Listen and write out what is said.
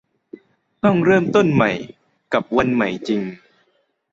ต้องเริ่มต้นใหม่กับวันใหม่จริง